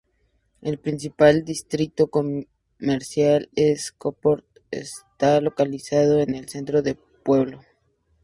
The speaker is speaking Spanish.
El principal distrito comercial de Stockport está localizado en el centro del pueblo.